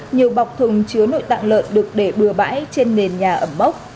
nhiều bọc thùng chứa nội tạng lợn được để bừa bãi trên nền nhà ẩm mốc